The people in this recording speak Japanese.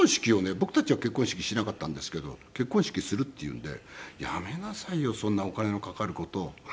僕たちは結婚式しなかったんですけど結婚式するって言うんで「やめなさいよそんなお金のかかる事を」なんか言って。